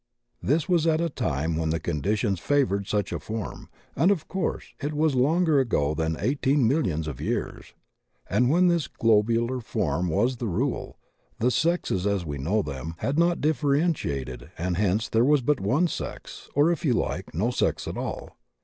This was at a time when the conditions favored such a form and of course it was longer ago than eighteen millions of years. And when this lobular form was the rule, the sexes as we know them had not differentiated and hence there was but one sex, or if you like, no sex at all.